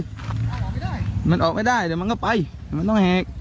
มันออกไม่ได้มันออกไม่ได้แต่มันก็ไปมันต้องแหก